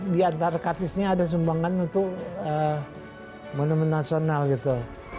diantara kartusnya ada sumbangan untuk monumen nasional gitu